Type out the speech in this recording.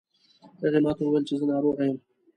هغې ما ته وویل چې زه ناروغه یم